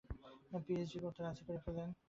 PhD করতে রাজী করে ফেলে।